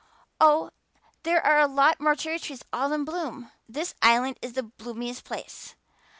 Oh, there are a lot more cherry trees all in bloom! This Island is the bloomiest place.